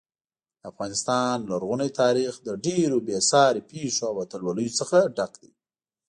د افغانستان لرغونی تاریخ له ډېرو بې ساري پیښو او اتلولیو څخه ډک دی.